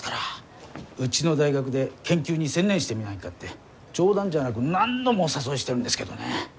うちの大学で研究に専念してみないかって冗談じゃなく何度もお誘いしてるんですけどね。